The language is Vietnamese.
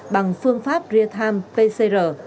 bằng phương pháp rear time pcr